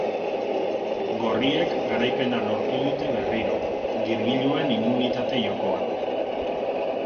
Gorriek garaipena lortu dute berriro, girgiluen immunitate-jokoan.